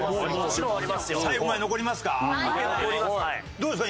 どうですか？